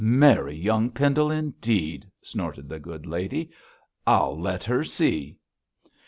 Marry young Pendle indeed!' snorted the good lady. 'I'll let her see.'